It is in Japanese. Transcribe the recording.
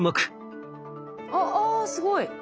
あっあすごい。